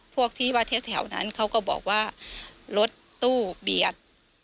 พวกที่ว่าแถวนั้นเขาก็บอกว่ารถตู้เบียด